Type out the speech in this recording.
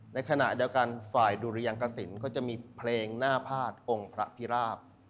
ในขณะเดียวกันฝ่ายดุรยังกสินก็จะมีเพลงหน้าพาดองค์พระพิราบ